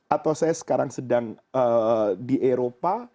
atau saya sekarang sedang di eropa